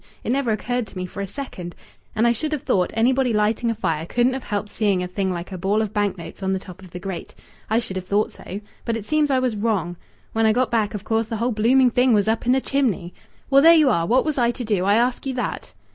It never occurred to me for a second.... And I should have thought anybody lighting a fire couldn't have helped seeing a thing like a ball of bank notes on the top of the grate. I should have thought so. But it seems I was wrong. When I got back of course the whole blooming thing was up the chimney. Well, there you are! What was I to do? I ask you that."